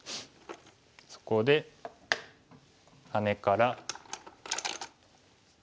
そこでハネから。